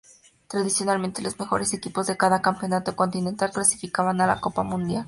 Tradicionalmente, los mejores equipos de cada campeonato continental clasificaban a la Copa Mundial.